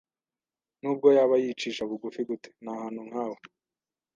Nubwo yaba yicisha bugufi gute, ntahantu nkawe